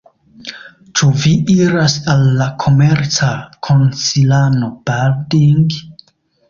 Ĉu vi iras al la komerca konsilano Balding?